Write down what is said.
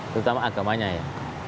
terutama agamanya ya